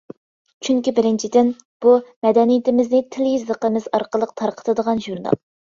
چۈنكى بىرىنچىدىن، بۇ، مەدەنىيىتىمىزنى تىل-يېزىقىمىز ئارقىلىق تارقىتىدىغان ژۇرنال.